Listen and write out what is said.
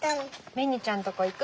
ベニちゃんとこ行く？